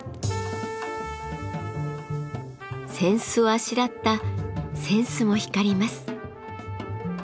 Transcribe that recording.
扇子をあしらったセンスも光ります。